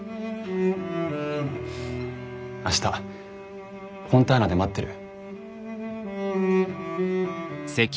明日フォンターナで待ってる。